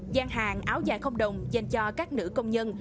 gian hàng áo dài không đồng dành cho các nữ công nhân